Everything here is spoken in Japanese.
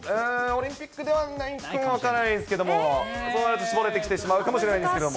オリンピックではないかも分からないですけど、そうなると、絞れてきてしまうかもしれないですけど。